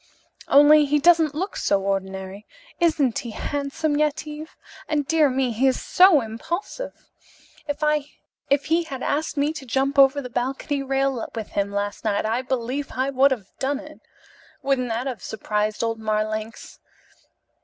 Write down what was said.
Only he doesn't look so ordinary. Isn't he handsome, Yetive? And, dear me, he is so impulsive! If he had asked me to jump over the balcony rail with him last night, I believe I would have done it. Wouldn't that have surprised old Marlanx?"